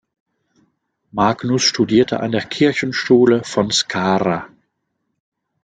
Magnus studierte an der Kirchenschule von Skara.